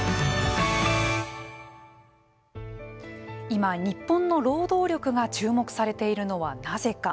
今、日本の労働力が注目されているのはなぜか。